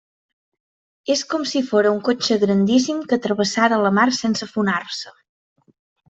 És com si fóra un cotxe grandíssim que travessara la mar sense afonar-se.